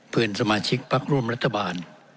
เพื่อนสมาชิกพักร่วมรัฐบาล